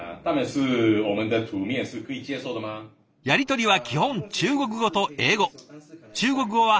やり取りは基本中国語と英語。